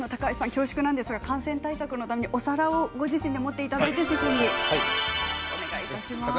恐縮ですが感染対策のため、お皿をご自身で持っていただいて席にお願いします。